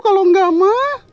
kalau enggak ma